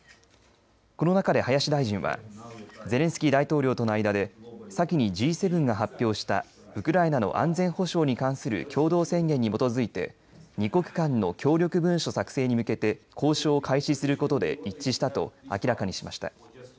この中で林大臣はゼレンスキー大統領との間で先にＧ７が発表したウクライナの安全保障に関する共同宣言に基づいて二国間の協力文書作成に向けて交渉を開始することで一致したと明らかにしました。